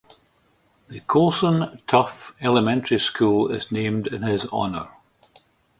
The Coulson Tough Elementary School is named in his honor.